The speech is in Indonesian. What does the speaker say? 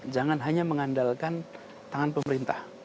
jangan hanya mengandalkan tangan pemerintah